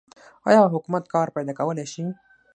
آیا حکومت کار پیدا کولی شي؟